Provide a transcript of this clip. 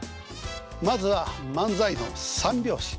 まずは漫才の三拍子。